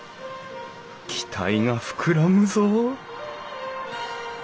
期待が膨らむぞ